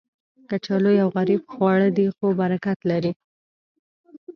کچالو یو غریب خواړه دی، خو برکت لري